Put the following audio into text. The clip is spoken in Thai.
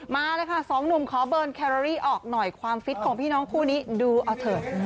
มาเลยค่ะสองหนุ่มขอเบิร์นแครอรี่ออกหน่อยความฟิตของพี่น้องคู่นี้ดูเอาเถอะ